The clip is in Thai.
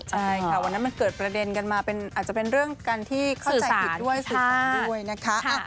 ใช่ค่ะวันนั้นมันเกิดประเด็นกันมาอาจจะเป็นเรื่องการที่เข้าใจผิดด้วยสื่อสารด้วยนะคะ